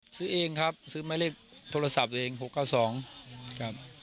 ซื้อเองครับซื้อหมายเลขโทรศัพท์ตัวเอง๖๙๒ครับ